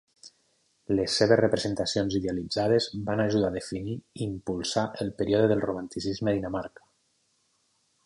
Les seves representacions idealitzades van ajudar a definir i impulsar el període del romanticisme a Dinamarca.